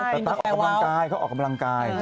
ใช่เค้าออกกำลังกาย